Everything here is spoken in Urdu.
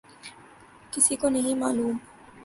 کسی کو نہیں معلوم۔